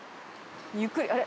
ゆっくりあれ？